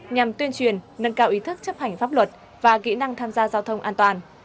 nhằm tuyên truyền nâng cao ý thức chấp hành pháp luật và kỹ năng tham gia giao thông an toàn